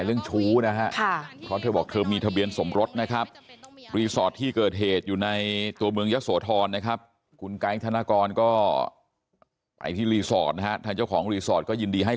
คือตอนนี้เรื่องอะไรเราจะเอาอย่างไรต่อตอนนี้จะฟ้องเมียเขาไหม